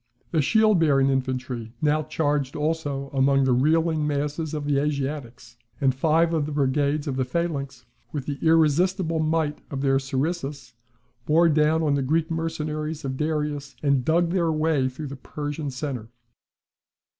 The shield bearing infantry now charged also among the reeling masses of the Asiatics; and five of the brigades of the phalanx, with the irresistible might of their sarissas, bore down the Greek mercenaries of Darius, and dug their way through the Persian centre.